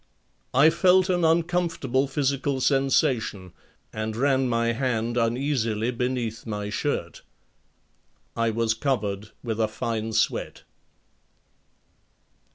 I felt an uncomfortable physical sensation and ran my hand uneasily beneath my shirt. I was covered with a fine sweat.